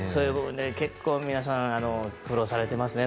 結構、皆さん苦労されていましたね